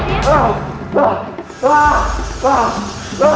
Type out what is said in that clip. mardian kamu kenapa